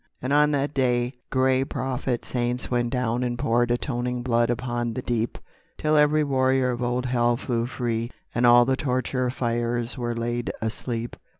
And on that day gray prophet saints went down And poured atoning blood upon the deep, Till every warrior of old Hell flew free And all the torture fires were laid asleep.